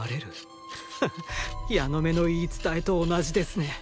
ハハッヤノメの言い伝えと同じですね。